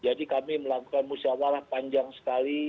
jadi kami melakukan musyawarah panjang sekali